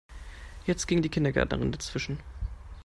Jetzt ging die Kindergärtnerin dazwischen.